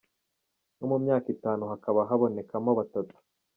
Nko mu myaka itanu hakaba habonekamo batatu.